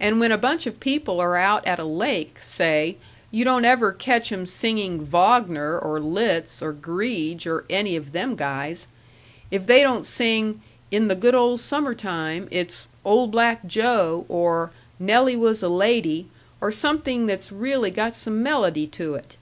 And when a bunch of people are out at a lake, say, you don't ever catch 'em singing Vaugner or Lits or Gryge or any of them guys. If they don't sing, 'In the Good Old Summer Time,' it's 'Old Black Joe,' or 'Nelly Was a Lady,' or something that's really got some melody to it."